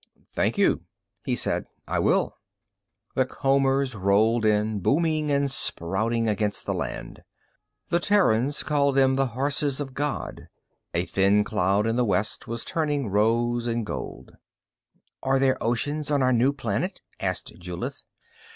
"Thank you," he said. "I will." The combers rolled in, booming and spouting against the land. The Terrans called them the horses of God. A thin cloud in the west was turning rose and gold. "Are there oceans on our new planet?" asked Julith.